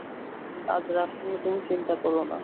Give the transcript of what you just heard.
আজ রাত নিয়ে তুমি চিন্তা করবে না।